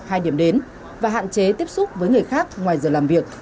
hai điểm đến và hạn chế tiếp xúc với người khác ngoài giờ làm việc